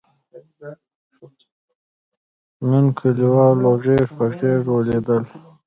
نن کلیوالو غېږ په غېږ ولیدل.